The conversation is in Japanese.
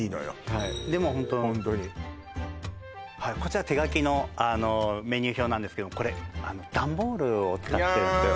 はいでもホントホントにはいこちら手書きのメニュー表なんですけどもこれダンボールを使ってるんですよ